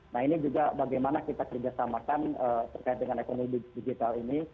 nah ini juga bagaimana kita kerjasamakan terkait dengan ekonomi digital ini